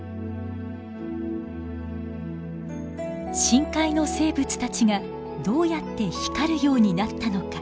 深海の生物たちがどうやって光るようになったのか。